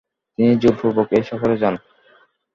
তিনি জোরপূর্বক এ সফরে যান।